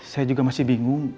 saya juga masih bingung